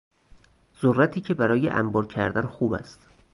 ذرتی که برای انبار کردن خوب است